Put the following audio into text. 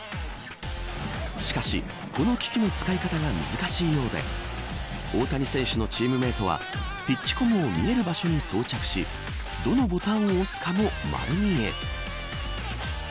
しかし、この機器の使い方が難しいようで大谷選手のチームメートはピッチコムを見える場所に装着しどのボタンを押すかも丸見え。